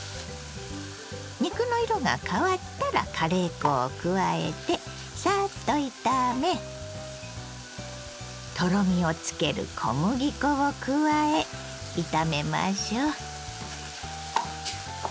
肉の色が変わったらカレー粉を加えてさっと炒めとろみをつける小麦粉を加え炒めましょう。